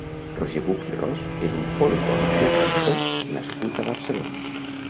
Roger Buch i Ros és un politòleg i escriptor nascut a Barcelona.